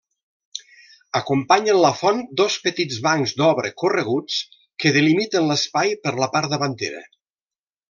Acompanyen la font dos petits bancs d'obra correguts que delimiten l'espai per la part davantera.